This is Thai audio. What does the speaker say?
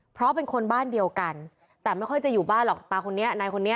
เพราะเป็นคนบ้านเดียวกันแต่ไม่ค่อยจะอยู่บ้านหรอกตาคนนี้นายคนนี้